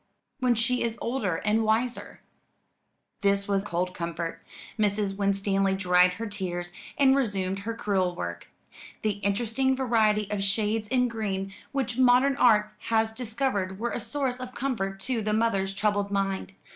"When she is older and wiser." This was cold comfort. Mrs. Winstanley dried her tears, and resumed her crewel work. The interesting variety of shades in green which modern art has discovered were a source of comfort to the mother's troubled mind.